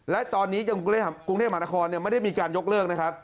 และตอนนี้กรุงเทพมหานครไม่ได้มีการยกเลิกนะครับ